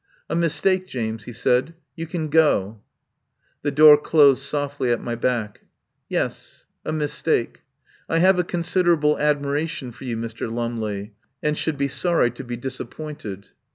"A mistake, James," he said. "You can go." The door closed softly at my back. "Yes. A mistake. I have a considerable admiration for you, Mr. Lumley, and should be sorry to be disappointed."